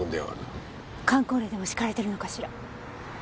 かん口令でも敷かれてるのかしら？